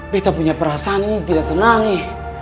beta punya perasaan ini tidak tenang nih